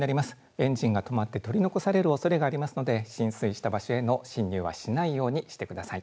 エンジンが止まって取り残されるおそれがありますので浸水した場所への進入はしないようにしてください。